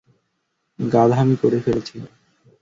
গাধামি করে ফেলেছি।